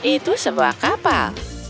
itu sebuah kapal